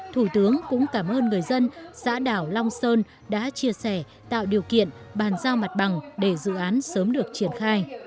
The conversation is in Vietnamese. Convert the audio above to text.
thủ tướng cũng cảm ơn người dân xã đảo long sơn đã chia sẻ tạo điều kiện bàn giao mặt bằng để dự án sớm được triển khai